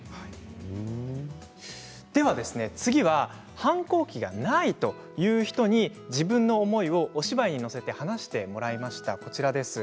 次は反抗期がないという人に自分の思いをお芝居に乗せて話してもらいました。